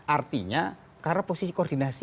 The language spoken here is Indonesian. artinya karena posisi koordinasi